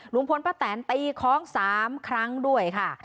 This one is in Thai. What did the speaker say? ลุงพลป้าแตนตีคล้อง๓ครั้งด้วยค่ะ